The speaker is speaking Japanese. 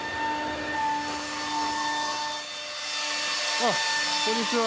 あっこんにちは。